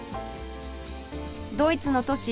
ドイツの都市